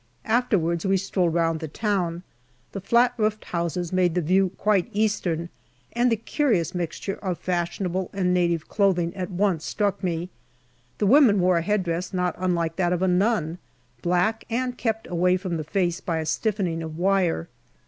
Afterwards we strolled round the town ; the flat roofed houses made the view quite Eastern, and the curious mixture of fashionable and native clothing at once struck me. The women wore a head dress not unlike that of a nun black, and kept away from the face by a stiffening of wire.